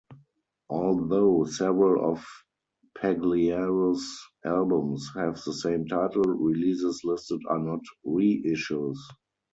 Although several of Pagliaro's albums have the same title, releases listed are not reissues.